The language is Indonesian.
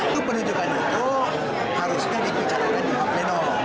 itu penunjukannya itu harusnya dipicarakan di rapat pleno